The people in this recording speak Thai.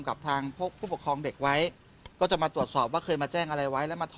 กับทางพวกผู้ปกครองเด็กไว้ก็จะมาตรวจสอบว่าเคยมาแจ้งอะไรไว้แล้วมาท